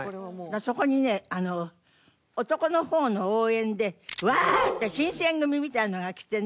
そこにね男の方の応援でワーッと新撰組みたいなのが来てね